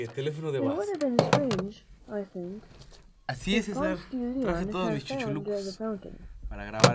It would have been very strange, I think, if Ponce de Leon had found the fountain.